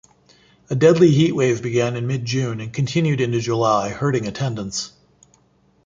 A deadly heat wave began in mid-June and continued into July hurting attendance.